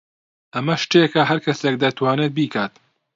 ئەمە شتێکە هەر کەسێک دەتوانێت بیکات.